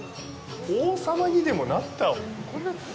王様にでもなった？